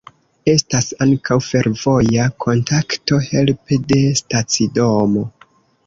Estas ankaŭ fervoja kontakto helpe de stacidomo.